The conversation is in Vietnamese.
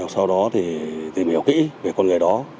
sau đó thì tìm hiểu kỹ về con người đó